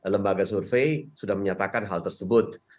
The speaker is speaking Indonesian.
lembaga survei sudah menyatakan hal tersebut